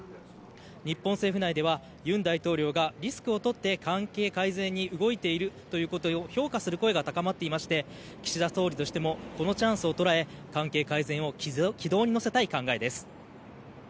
日本政府内では尹大統領がリスクを取って関係改善に動いているということを評価する声が高まっていまして岸田総理としてもこのチャンスを捉え、関係改善を軌道に乗せたい考えです。